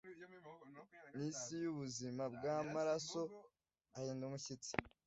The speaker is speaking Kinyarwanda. Nisi yubuzima bwamaraso ahinda umushyitsi